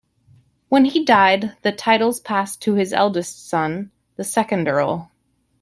When he died, the titles passed to his eldest son, the second Earl.